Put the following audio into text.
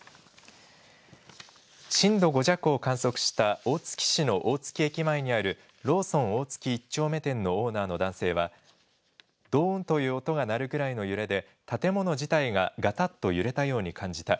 震度５弱を観測した大月市の大月駅前にあるローソン大月１丁目店のオーナーの男性は、どーんという音が鳴るぐらいの揺れで、建物自体ががたっと揺れたように感じた。